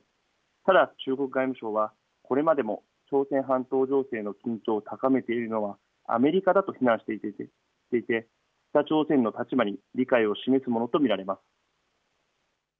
ただ、中国外務省はこれまでも朝鮮半島情勢の緊張を高めているのはアメリカだと非難していて北朝鮮の立場に理解を示すものと見られます。